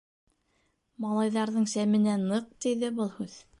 Малайҙарҙың сәменә ныҡ тейҙе был һүҙ.